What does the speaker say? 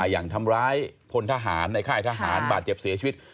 อย่างทำร้ายพลทหารในค่ายทหารบาดเจ็บเสียชีวิต